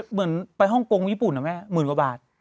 เหมือนไปฮ่องกงญี่ปุ่นนะแม่หมื่นกว่าบาท